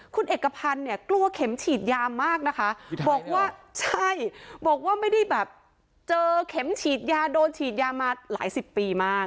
คุณเอกพันธ์เนี่ยกลัวเข็มฉีดยามากนะคะบอกว่าใช่บอกว่าไม่ได้แบบเจอเข็มฉีดยาโดนฉีดยามาหลายสิบปีมาก